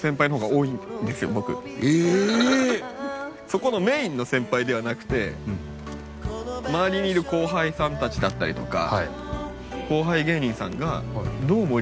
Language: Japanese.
そこのメインの先輩ではなくて周りにいる後輩さんたちだったりとか。